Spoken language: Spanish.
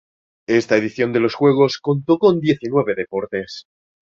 Esta edición de los juegos contó con diecinueve deportes.